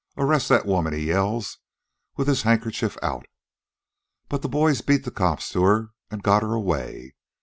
'Arrest that woman!' he yells, with his handkerchief out. But the boys beat the cops to her an' got her away.